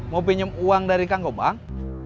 mau pinjem uang dari kang gombang